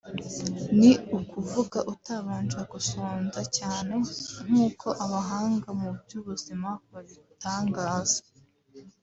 ni ukuvuga utabanje gusonza cyane nkuko abahanga mu by’ubuzima babitangaza